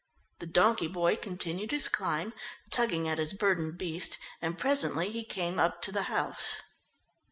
The donkey boy continued his climb, tugging at his burdened beast, and presently he came up to the house.